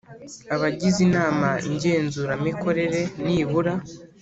Abagize inama ngenzuramikorere nibura